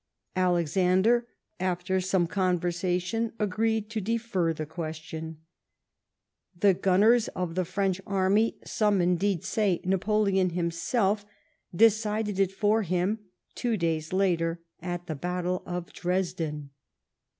Alexander, after some conversation, agreed to defer the question. The gunners of the French army, some indeed say, Napoleon himself, decided it ibr him, two days later, at the battle of Dresden.